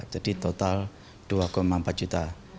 jadi total dua empat juta